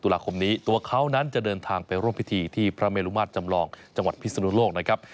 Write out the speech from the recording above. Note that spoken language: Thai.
ตุลาคมนี้ตัวเขานั้นจะเดินทางไปร่วมพิธีที่พระเมลุมาตรจำลองจังหวัดพิศนุโลกนะครับ